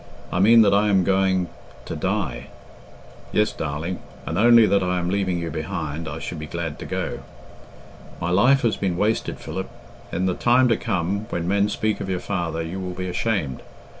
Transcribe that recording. I mean that I am going to die. Yes, darling, and, only that I am leaving you behind, I should be glad to go. My life has been wasted, Philip. In the time to come, when men speak of your father, you will be ashamed.